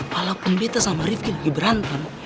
walaupun beto sama rifki lagi berantem